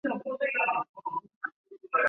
境内的华闾古都为丁朝和前黎朝的首都。